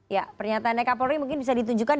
ya pernyataannya kapolri mungkin bisa ditunjukkan